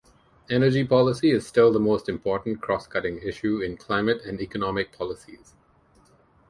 Energy policy is still the most important cross-cutting issue in climate and economic policies.